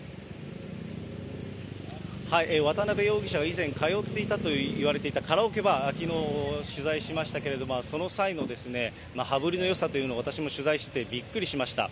渡辺容疑者が以前、通っていたといわれていたカラオケバー、きのう取材しましたけれども、その際の羽振りのよさというのは私も取材をしていて、びっくりしました。